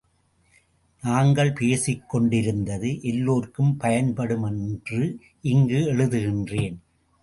நாங்கள் பேசிக்கொண்டிருந்தது எல்லோர்க்கும் பயன்படும் என்று இங்கு எழுதுகின்றேன்.